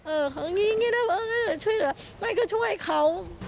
เอออย่างงี้อย่างงี้ช่วยเหรอมายก็ช่วยเขา